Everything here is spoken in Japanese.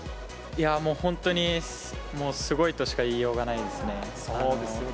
本当にすごいとしか言いようそうですよね。